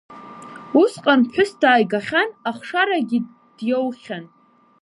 Усҟан ԥҳәыс дааигахьан, ахшарагьы диоухьан.